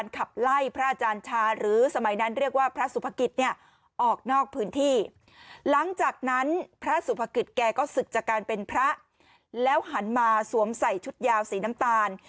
แกก็ศึกจากการเป็นพระแล้วหันมาสวมใส่ชุดยาวสีน้ำตาล